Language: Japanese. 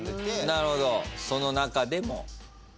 なるほどその中でも。